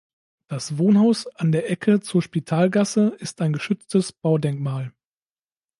Das Wohnhaus an der Ecke zur Spitalgasse ist ein geschütztes Baudenkmal.